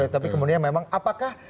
tapi kemudian memang apakah